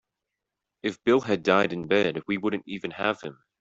If Bill had died in bed we wouldn't even have him.